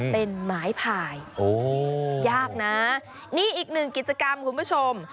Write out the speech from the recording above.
เป็นไม้ผ่ายยากนะนี่อีกหนึ่งกิจกรรมคุณผู้ชม